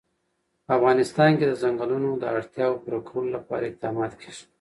په افغانستان کې د چنګلونه د اړتیاوو پوره کولو لپاره اقدامات کېږي.